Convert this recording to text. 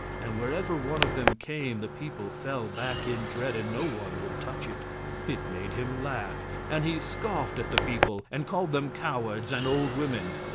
And wherever one of them came the people fell back in dread, and no one would touch it. It made him laugh, and he scoffed at the people and called them cowards and old women.